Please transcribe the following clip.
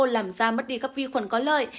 làm da mất đi các vi khuẩn có lợi